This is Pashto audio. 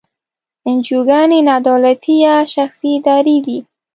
انجوګانې نا دولتي یا شخصي ادارې دي.